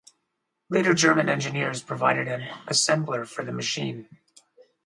Later German engineers provided an assembler for the machine.